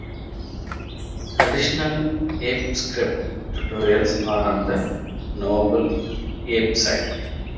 Additional ApeScript tutorials are on the Noble Ape site.